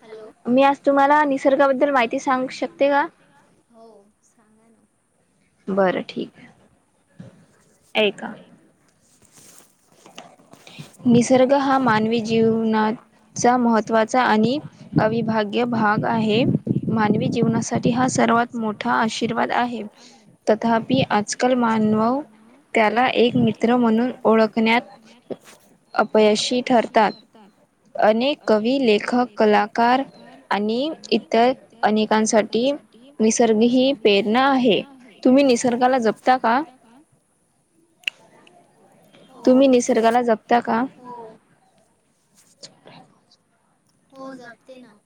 Hello. हो सांगा ना. बरं ठीक आहे. [unintelligible] निसर्ग हा मानवी जीवनाचा महत्त्वाचा आणि अविभाज्य भाग आहे मानवी जीवनासाठी हा सर्वात मोठा आशीर्वाद आहे. तथापि आज तर मानव त्याला एक मित्र म्हणून ओळखण्यात अपयशी ठरतात. अनेक कवी लेखक कलाकार आणि इतर अनेकांसाठी निसर्ग ही पेरणा आहे तुम्ही निसगाला जपता का? तुम्ही निसर्गाला जपता का? [inaudible] हो जपते ना.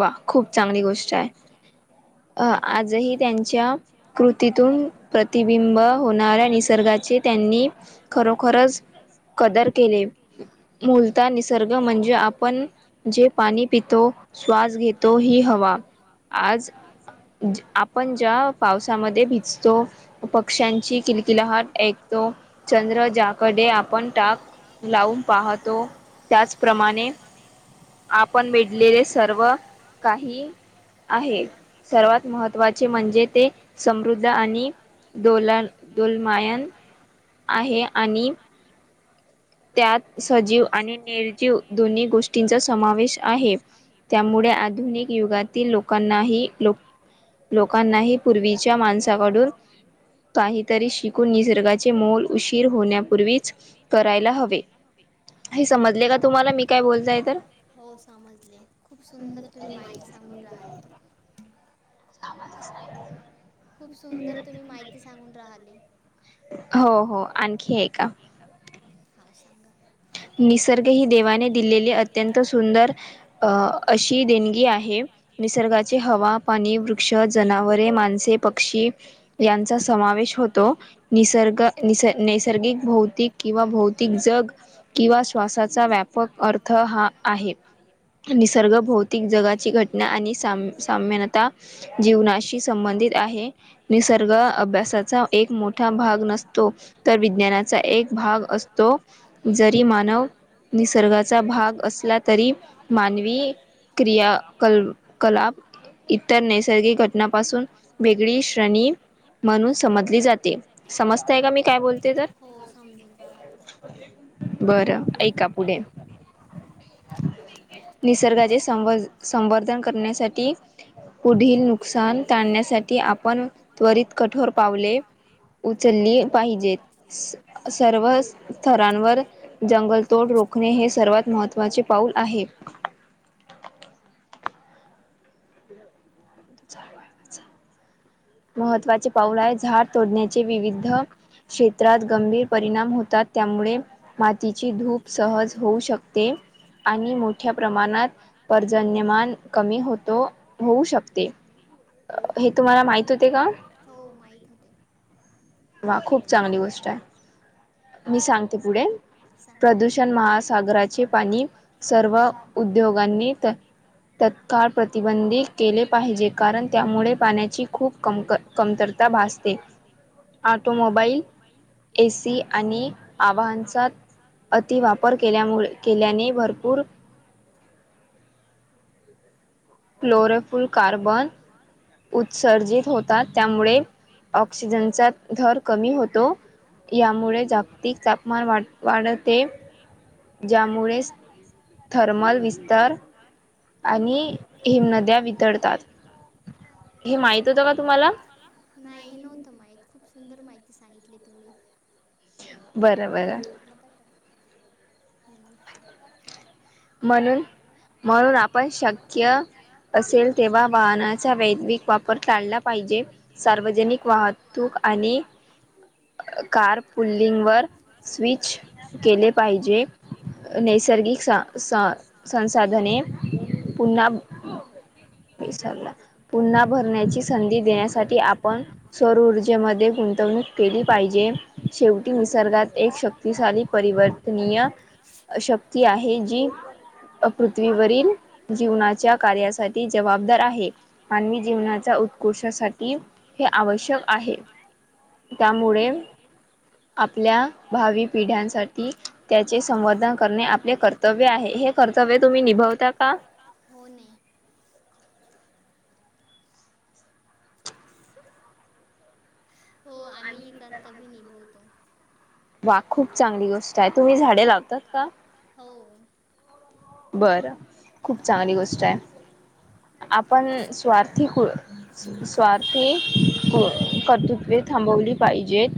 वा खूप चांगली गोष्ट आहे अ आजही त्यांच्या कृतीतून प्रतिबिंब होणाऱ्या निसर्गाचे त्यांनी खरोखरच वदर त वदर क रे मूलता निसर्ग म्हणजे आपण जे पाणी पितो. श्वास घेतो ही हवा आज आपण ज्या पावसामध्ये भिजतो पक्ष्यांची किलकिलहट ऐकतो चंद्र ज्याकडे आपण टाक लावून पाहतो. त्याचप्रमाणे आपण मेडलेले सर्व का ही आहे. सर्वात महत्त्वाचे म्हणजे ते समृद्ध आणि दलान दुलमयन आहे आणि त्यात सजीव आणि निर्जीव दोन्ही गोष्टींचा समावेश आहे. त्यामुळे आधुनिक युगातील लोकांनाही लोक लोकांनाही पूर्वीच्या माणसाकडून काहीतरी शिकून निसर्गाचे मोल उशीर होण्यापूर्वीच करायला करायला हवे, म का तुम्हाला मी काल हो समजले खूप सुंदर तुम्ही माहिती सां [inaudible] राहिले हवाज स् नाहीित [inaudible] खूप सुंदर तुम्ही माहिती सांगून राहाले. हो हो आणखी आहे का? ह सांगा निसर्ग ही देवाने दिलेली अत्यंत सुंदर अ अशी देणगी आहे. निसर्गाचे हवा पाणी वृक्ष जनावरे माणसे पक्षी यांचा समावेश होतो निसर्ग निस नैसर्गिक भौतिक किंवा भौतिक जग किंवा श्वासाचा व्यापक अर्थ हा आहे. निसर्ग भौतिक जगाची घटना आणि साम सामानता जीवनाशी संबंधित आहे. निसर्ग अभ्यासाचा एक मोठा भाग नसतो. तर विज्ञानाचा एक भाग असतो जरी मानव निसर्गाचा भाग असला तरी मानवी क्रिया कल्प कलाप इतर नैसर्गिक घटनापासून वेगळी श्रेणी म्हणून समजली जाते समजताय का मी काय बोलते तर समजून रा बरं ऐका पुढे निसर्गाचे सं संवर्धन करण्यासाठी पुढील नुकसान ताळण्यासाठी आपण त्वरित कठोर पावले. उचलली पाहिजेत स सर्व स्थरांवर जंगलतोड रोखणे हे सर्वात महत्त्वाचे पाऊल आहे. ्छय [inaudible] महत्त्वाचे पाऊल आहे झाड तोडण्याचे विविध क्षेत्रात गंभीर परिणाम होतात त्यामुळे मातीची धूप सहज होऊ शकते आणि मोठ्या प्रमाणात जन्यमान कमी होतो होऊ शकते हे तुम्हाला माहि ला मा हो माहित होते. वा खूप चांगली गोष्ट आहे मी सांग ते पुढे प्रदूषण महासागराचे पाणी सर्व उद्योगांनी तत्काळ प्रतिबंधित केले पाहिजे कारण त्यामुळे पाण्याची खूप कमकर कमतरता भासते. ऑटोमोबाईल ए सी आणि आवहनचा अति वापर केल्यामुळे केल्याने भरपूर. फ्लोरफुल कार्बन. उत्सर्जित होतात त्यामुळे ऑक्सिजनचा र कमी होतो. यामुळे जागतिक तापमान वाढ वाढते. एक ज्यामुळे थर्मल विस्तार आणि हिम नद्या वितळतात. माहित होत का तुम्हाला नाही हे नव्हतं माहित खूप सुंदर माहिती सांगितली तुम्ही अ तुात [unintelligible] म्हणून. म्हणून आपण शक्य असेल तेव्हा वाहनाचा वैदिक वापर टढला पाहिजे. सार्वजनिक वाहतूक आणि कार पुलिंग वर. स्विच केले पाहिजे नैसर्गिक सा सं संसाधने पुन्हा विसरला. पुन्हा भरण्याची संधी देण्यासाठी आपण. सरऊर्जेमध्ये गुंतवणूक केली पाहिजे. शेवटी निसर्गात एक शक्तिशाली परिवर्तनीय शक्ती आहे जी. पृथ्वीवरील जीवनाच्या कार्यासाठी जबाबदार आहे आणि. जीवनाच्या उत्कृषासाठी हे आवश्यक आहे. त्यामुळे. आपल्या भावी पिढ्यांसाठी त्याचे संवर्धन करणे आपले कर्तव्य हे कर्चव्य तुम्ही निभवता का? होणे. हो आम्ही हे करतबी निभवतो. वा खूप चांगली गोष्ट आहे तुम्ही झाडे लावतात का? हो. बर खूप चांगली गोष्ट आहे आपण स्वार्थी. स्वार्थी कर्तृत्वे थांबवली पाहिजेत.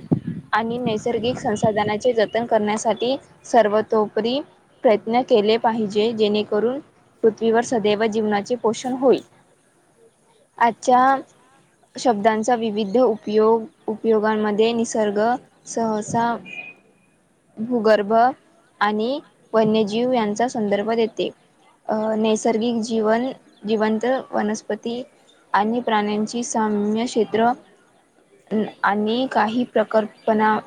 आणि नैसर्गिक संसाधनाचे जतन करण्यासाठी सर्वतोपरी. प्रयत्न केले. पाहिजे जेणेकरून पृथ्वीवर सदैव जीवनाचे पोषण होईल. [inaudible] अच्छा. छान. शब्दांचा विविध उपयोग उपयोगांमध्ये निसर्ग. सहसा भूगर्भ आणि वन्यजीव यांचा. संदर्भ देते अ नैसर्गिक जीवन जिवंत वनस्पती. आणि प्राण्यांची साम्य क्षेत्र. आणि काही प्रकल्पना.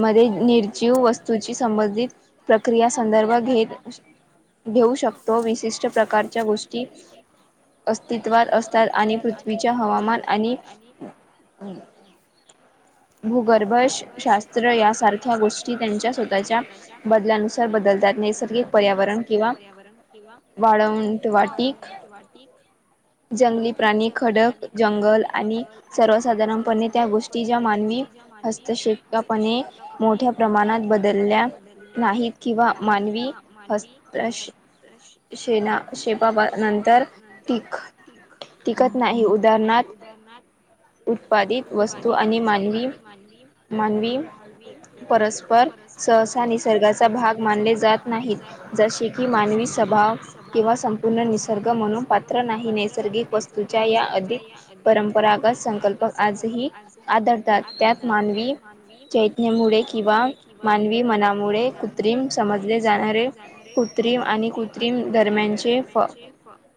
मध्ये निर्चीव वस्तूची संबंधित प्रक्रिया संदर्भ घेत. घेऊ शकतो विशिष्ट प्रकारच्या गोष्टी. अस्तित्वात असतात आणि पृथ्वीच्या हवामान आणि. भूगर्भ शास्त. ्र यासारख्या गोष्टी त्यांच्या स्वतःच्या बदलानुसार बदलतात नैसर्गिक. पर्यावरण किंवा वाळवट वाट. जंगली प्राणी खडक जंगल आणि सर्वसाधारणपणे त्या गोष्टी ज्या मानवी. आणि. हस्तशेतकापणे मोठ्या प्रमाणात बदलल्या नाहीत किंवा मानवी. शेना शेपा नंतर तीख. टिकतना ह उदाहरणारथ. उत्पादीत वस्तू आणि मानवी मनवी मानवी परस्पर सहसा निसर्गाचा भाग मानले जात नाहीत जसे की मानवी स्वभाव किंवा संपूर्ण निसर्ग म्हणून पात्र नाही ने नैसर्गिक वस्तूच्या या अधिक परंपरागत संकल्प आजही [unintelligible] चैतनमुळे किंवा मानवी मनामुळे कृत्रिम समजले जाणारे कृत्रिम आणि कृत्रिम दरम्यानचे फ.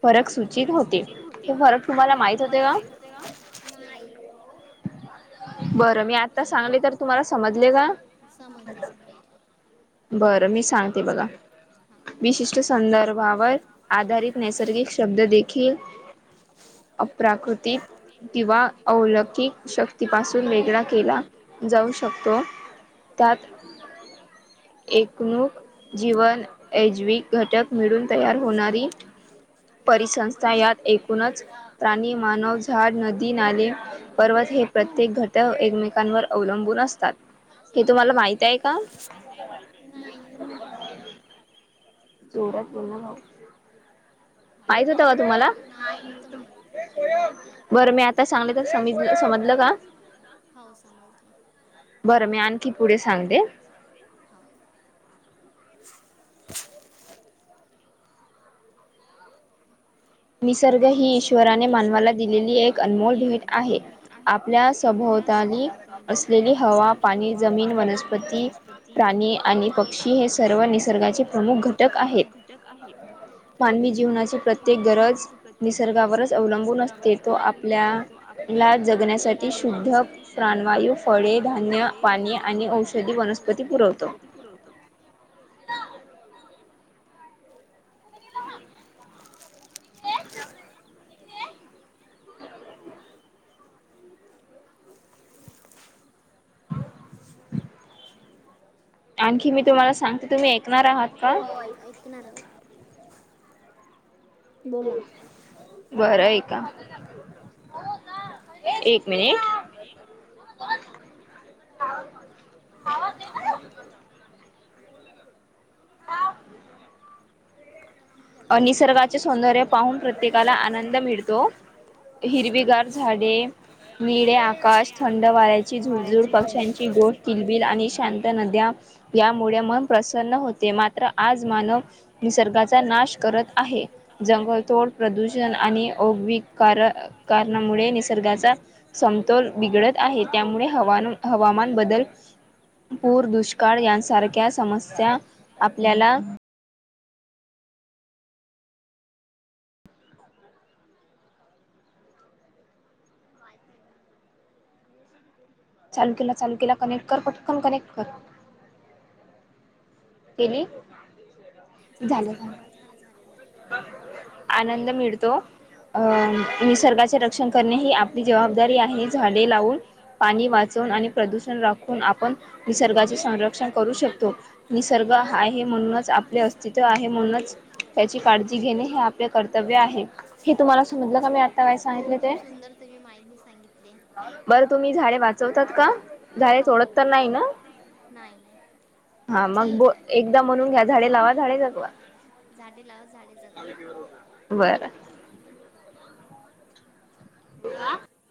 फरक सूचित होते हे फरक तुम्हाला माहित होते का? [inaudible] [inaudible] बरं मी आता सांगली तर तुम्हाला समजले का? बरं मी सांगते बघा. विशिष्ट संदर्भावर आधारित नैसर्गिक शब्द देखील अप्राकृतिक किंवा अवलौकिक शक्तीपासून वेगळा केला जाऊ शकतो. त्यात एकणूक जीवनऐजवी घटक मिळून तयार होणारी परिसंस्था यात एकूणच प्राणी, मानव, झाड, नदी नाले पर्वत हे प्रत्येक घट एकमेकांवर [unintelligible] [unintelligible] [unintelligible] सज समजलं का? हाव समजलं. बरं. मी आणखी पुढे सांगते. निसर्ग ही ईश्वराने मानवाला दिलेली एक अनमोल भेट आहे. आपल्या संभवताली असलेली हवा, पाणी, जमीन, वनस्पती प्राणी आणि पक्षी हे सर्व निसर्गाचे प्रमुख घटक आहेत. मानवी जीवनाचे प्रत्येक गरज निसर्गावरच अवलंबून असते. तो आपल्याला जगण्यासाठी शुद्ध प्राणवायू, फळे, धान्य, पाणी आणि औषधी वनस्पती पुरवतो. [inaudible] [inaudible] [unintelligible] आणखी तुम्हाला सांगते तुम्ही एक हो ऐक ऐकणार. बर. आईका. एक मिनिट. मिनिट. ह [inaudible] [inaudible] [unintelligible] निसर्गाचे सौंदर्य पाहून प्रत्येकाला आनंद मिळतो. हिरवीगार झाडे नीळे आकाश, थंडवाऱ्याची झुडझुड, पक्ष्यांची गोड किलबिल आणि शांत नद्या यामुळे मन प्रसन्न होते. मात्र आज मानव निसर्गाचा नाश करत आहे. जंगलतोड, प्रदूषण आणि ओगविक कार कारणामुळे निसर्गाचा समतोल बिघडत आहे. त्यामुळे हवान हवामान बदल पूर, दुष्काळ यांसारख्या समस्या आपल्याला चालू केला चालू केला कनेक्ट कर पटकन कनेक्ट कर. केली? चाले झाल झाले झाले झाले. आनंद मिळतो. अ निसर्गाचे रक्षण करणे ही आपली जबाबदारी आहे. झाडे लावून, पाणी वाचवून आणि प्रदूषण राख आपण निसर्गाचे संरक्षण करू शकतो. निसर्ग आहे म्हणूनच आपले अस्तित्व आहे म्हणूनच त्याची काळजी घेणे हे आपले कर्तव्य आहे. हे तुम्हाला समजलं का मी हो खूप सुंदर तुम्ही माहिती सांगितली. बरं तुम्ही झाडे वाचवतात का, झाडे सोडत तर नाही ना? नाही नाही, ठीकाय. झाडे लावा, झाडे जगवा. बरं. आं.